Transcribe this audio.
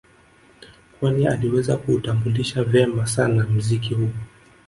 Kwani aliweza kuutambulisha vema sana mziki huu